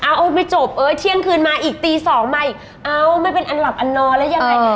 เอาไม่จบเอ้ยเที่ยงคืนมาอีกตีสองมาอีกเอ้าไม่เป็นอันหลับอันนอนแล้วยังไง